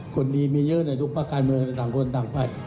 คนดีมีเยอะในทุกภาคการเมืองต่างคนต่างไป